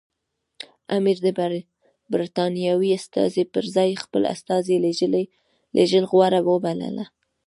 امیر د برټانوي استازي پر ځای خپل استازی لېږل غوره وبلل.